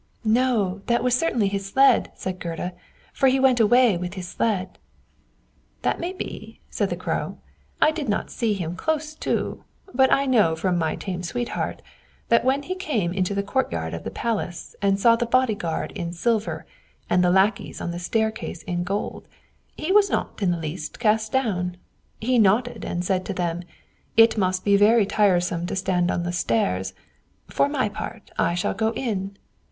"No, that was certainly his sled," said Gerda; "for he went away with his sled." "That may be," said the Crow; "I did not see him close to; but I know from my tame sweetheart that when he came into the courtyard of the palace, and saw the body guard in silver, and the lackeys on the staircase in gold, he was not in the least cast down; he nodded and said to them, 'It must be very tiresome to stand on the stairs; for my part, I shall go in.'